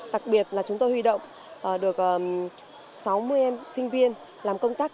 đặc biệt là chúng tôi huy động được sáu mươi em sinh viên làm công tác